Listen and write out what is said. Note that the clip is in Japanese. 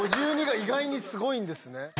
５２が意外にすごいですね。